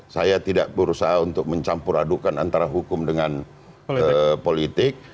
saya tidak berusaha untuk mencampur adukan antara hukum dengan politik